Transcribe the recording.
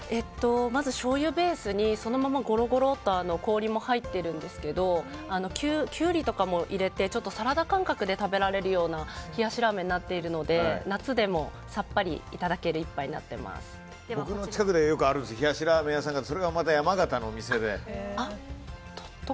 まず、しょうゆベースにそのままゴロゴロと氷も入っているんですけどキュウリとかも入れてサラダ感覚で食べられるような冷やしラーメンになっているので夏でもさっぱり僕の家の近くにある冷やしラーメン屋さんが山形の店で。